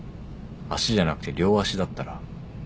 足じゃなくて両足だったら。